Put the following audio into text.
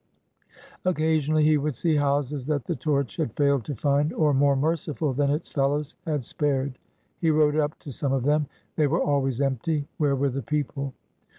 Occasionally he would see houses that the torch had failed to find, or, more merciful than its fellows, had spared. He rode up to some of them. They were always empty. Where were the people?